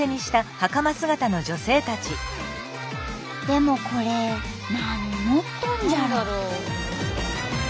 でもこれ何持っとんじゃろう？